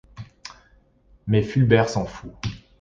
Mais Fulbert s’en fout.